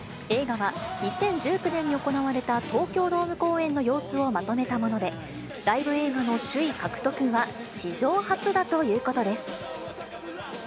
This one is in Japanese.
映画は、２０１９年に行われた東京ドーム公演の様子をまとめたもので、ライブ映画の首位獲得は史上初だということです。